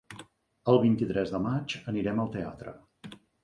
El vint-i-tres de maig anirem al teatre.